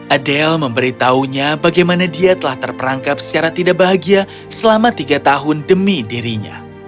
adel memberitahunya bagaimana dia telah terperangkap secara tidak bahagia selama tiga tahun demi dirinya